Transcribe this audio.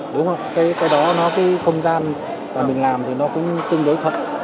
đúng không cái đó nó cái không gian mà mình làm thì nó cũng tương đối thuận